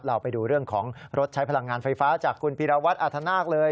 เราไปดูเรื่องของรถใช้พลังงานไฟฟ้าจากคุณพิรวัตรอาธนาคเลย